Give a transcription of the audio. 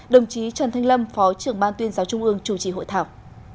đồng chí trần thanh lâm phó trưởng ban tuyên giáo trung ương chủ trì hội thảo